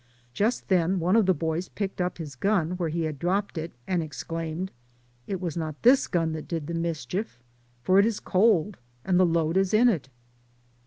Just then one of the boys picked up his gun where he had dropped it and exclaimed, "It was not this gun that did the mischief, for it is cold, and the load is in it."